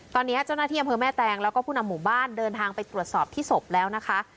ตอนนี้เจ้าหน้าที่อำเภอแม่แตงแล้วก็ผู้นำหมู่บ้านเดินทางไปตรวจสอบที่ศพแล้วนะคะ